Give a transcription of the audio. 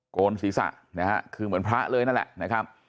โกนศีรษะนะฮะคือเหมือนพระเลยนั่นแหละนะครับ